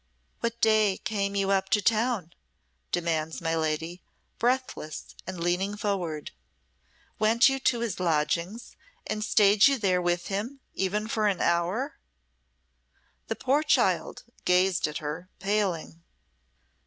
"What day came you up to town?" demands my lady, breathless and leaning forward. "Went you to his lodgings, and stayed you there with him, even for an hour?" The poor child gazed at her, paling.